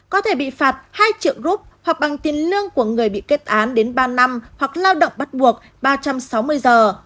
có thể bị phạt hai triệu rup hoặc bằng tiền lương của người bị kết án đến ba năm hoặc lao động bắt buộc ba trăm sáu mươi giờ